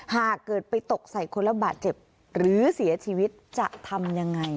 หากเกิดไปตกใส่คนละบาดเจ็บหรือเสียชีวิตจะทำยังไง